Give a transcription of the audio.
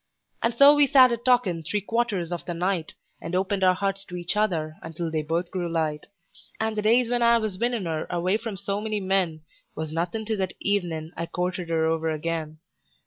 And so we sat a talkin' three quarters of the night, And opened our hearts to each other until they both grew light; And the days when I was winnin' her away from so many men Was nothin' to that evenin' I courted her over again.